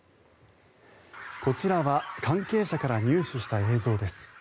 こちらは関係者から入手した映像です。